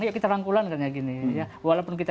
ya kita rangkulan kayak gini ya walaupun kita